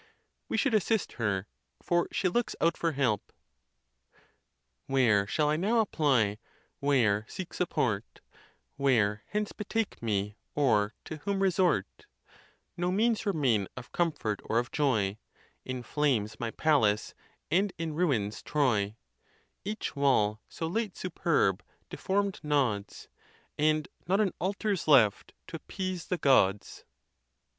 We should assist her, for she looks out for help: Where shall I now apply, where seek support ? Where hence betake me, or to whom resort ? No means remain of comfort or of joy, In flames my palace, and in ruins Troy ; Each wall, 'so late superb, deformed nods, And not an altar's left t? appease the Gods.